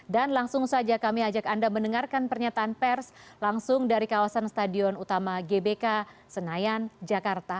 dan langsung saja kami ajak anda mendengarkan pernyataan pers langsung dari kawasan stadion utama gbk senayan jakarta